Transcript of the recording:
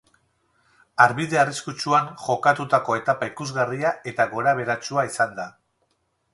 Harbide arriskutsuan jokatutako etapa ikusgarria eta gorabeheratsua izan da.